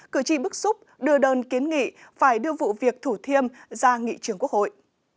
cử tri bức xúc đưa đơn kiến nghị phải đưa vụ việc thủ thiêm ra nghị trường quốc hội